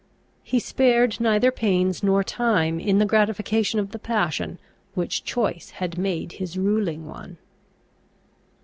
He spared neither pains nor time in the gratification of the passion, which choice had made his ruling one.